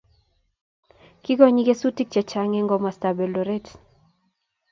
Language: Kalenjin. kikonyei kesutik chechang eng komostab Eldoret